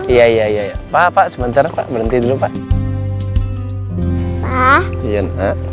iya iya iya pak sebentar berhenti dulu pak